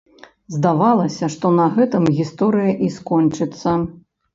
Здавалася, што на гэтым гісторыя і скончыцца.